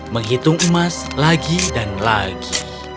menghitung emas lagi dan lagi